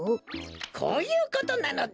こうゆうことなのだ！